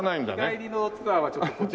日帰りのツアーはちょっと。